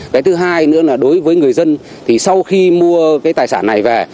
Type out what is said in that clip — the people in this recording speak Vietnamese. cái thứ hai nữa là đối với người dân thì sau khi mua cái tài sản này về